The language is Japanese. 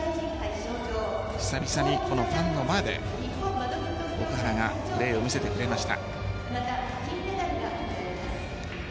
久々にファンの前で奥原がプレーを見せてくれました。